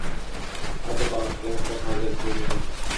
Acaba Prenses Hazretlerinin…